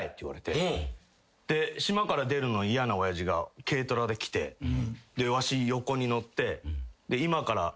で島から出るの嫌な親父が軽トラで来てわし横に乗って。